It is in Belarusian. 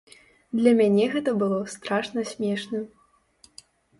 Для мяне гэта было страшна смешна!